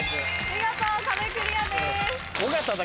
見事壁クリアです。